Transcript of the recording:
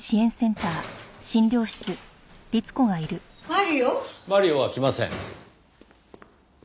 マリオ？マリオは来ません。